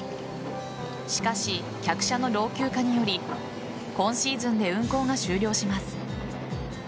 しかし客車の老朽化により今シーズンで運行が終了します。